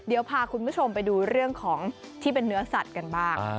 เดี๋ยวพาคุณผู้ชมไปดูเรื่องของที่เป็นเนื้อสัตว์กันบ้าง